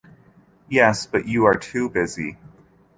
'Yes; but you are too busy.